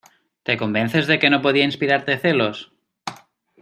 ¿ te convences de que no podía inspirarte celos?